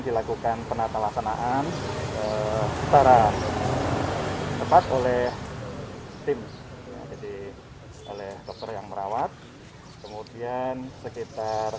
dilakukan penatawaksanaan setara tempat oleh tim jadi oleh dokter yang merawat kemudian sekitar